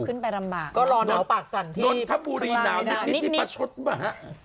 ขึ้นไปลำบากก็รอหนาวปากสั่นที่หนาวนิดนิดมีปลาชดมา